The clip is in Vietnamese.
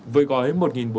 với gọi mời